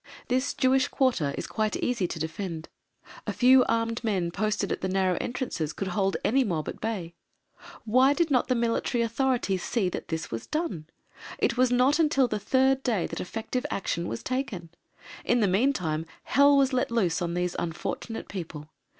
This Jewish quarter is quite easy to defend. A few armed men posted at the narrow entrances could hold any mob at bay. Why did not the military authorities see that this was done? It was not until the third day that effective action was taken. In the meantime, hell was let loose on these unfortunate people.